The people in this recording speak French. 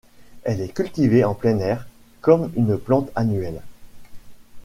Elle est cultivée en plein air comme une plante annuelle.